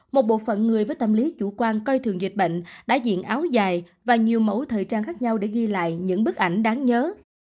một bộ phận người với tâm lý chủ quan coi thường dịch bệnh đã diện áo dài và nhiều mẫu thời trang khác nhau để ghi lại những bức ảnh đáng nhớ